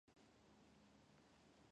არჩეული იყო საკანონმდებლო ორგანოს მიერ.